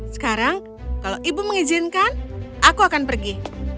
sekarang kalau ibu mengizinkan aku akan pergi